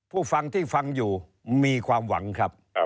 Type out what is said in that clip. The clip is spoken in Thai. ผู้ฟังที่ฟังอยู่มีความหวังครับ